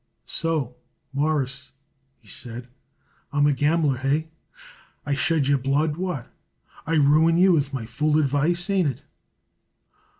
"So, Mawruss," he said, "I am a gambler. Hey? I shed your blood? What? I ruin you with my fool advice? Ain't it?"